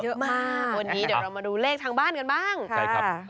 วันนี้เดี๋ยวเรามาดูเลขทางบ้านกันบ้าง